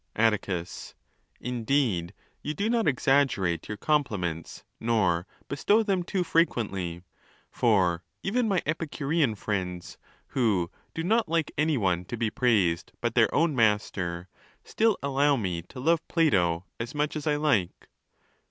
Atticus.—Indeed you do not exaggerate your compliments, nor bestow them too frequently, for even my Epicurean friends, who do not like any one to be praised but their own master, still allow me to love Plato as much as I (ike.